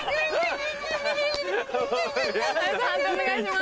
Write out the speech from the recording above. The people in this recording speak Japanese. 判定お願いします。